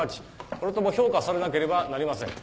もろとも評価されなければなりません。